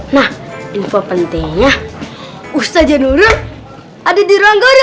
nah info pentingnya ustadz nurul ada di ruang gara